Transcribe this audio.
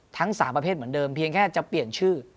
ทั้ง๓ประเภทเหมือนเดิมเพียงแค่จะเปลี่ยนชื่อ